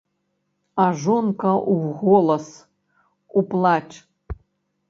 А жонка ў голас, у плач.